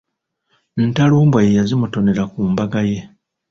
Ntalumbwa ye yazimutonera ku mbaga ye.